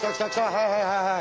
はいはいはいはい！